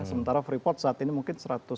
sementara freeport saat ini mungkin seratus